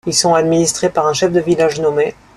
Ils sont administrés par un chef de village nommé.